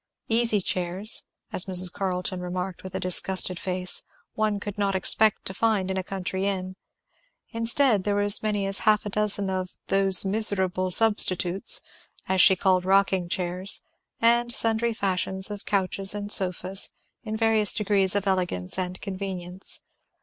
Easy chairs, as Mrs. Carleton remarked with a disgusted face, one could not expect to find in a country inn; there were instead as many as half a dozen of "those miserable substitutes" as she called rocking chairs, and sundry fashions of couches and sofas, in various degrees of elegance and convenience.